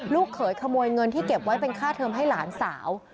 เขยขโมยเงินที่เก็บไว้เป็นค่าเทิมให้หลานสาว